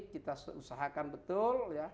kita usahakan betul